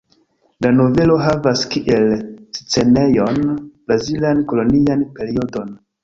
La novelo havas kiel scenejon brazilan kolonian periodon.